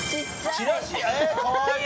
チラシ？えかわいい！